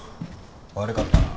悪かったな。